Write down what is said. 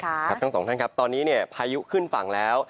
ครับทั้งสองท่านครับตอนนี้พายุขึ้นฝั่งแล้ว